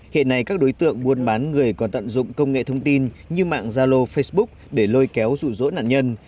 hiện nay các đối tượng buôn bán người còn tận dụng công nghệ thông tin như mạng gia lô facebook để lôi kéo rủ rỗ nạn nhân